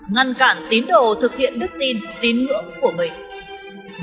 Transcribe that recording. ngăn cản tín đồ thực hiện đức tin tín ngưỡng của mình